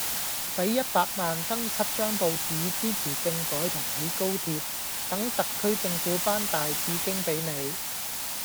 洗一百萬登七張報紙支持政改同起高鐵，等特區政府頒大紫荊比你。